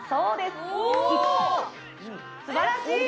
すばらしい！